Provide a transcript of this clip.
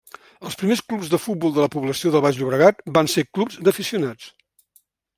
Els primers clubs de futbol de la població del Baix Llobregat van ser clubs d'aficionats.